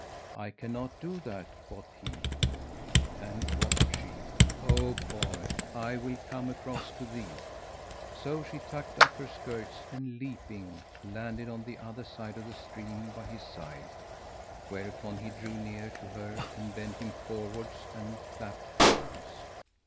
"I cannot do that," quoth he, and quoth she, "O boy, I will come across to thee." So she tucked up her skirts and, leaping, landed on the other side of the stream by his side; whereupon he drew near to her and bent him forwards and clapped palms.